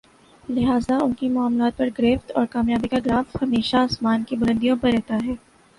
لہذا انکی معاملات پر گرفت اور کامیابی کا گراف ہمیشہ آسمان کی بلندیوں پر رہتا ہے